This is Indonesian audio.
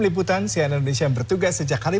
liputan si anadnes yang bertugas sejak hari